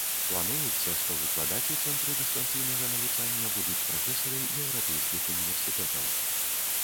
Плануецца, што выкладаць у цэнтры дыстанцыйнага навучання будуць прафесары еўрапейскіх універсітэтаў.